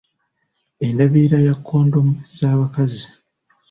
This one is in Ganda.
Endabirira ya kondomu z’abakazi.